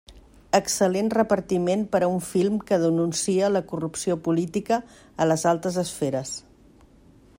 Excel·lent repartiment per a un film que denuncia la corrupció política a les altes esferes.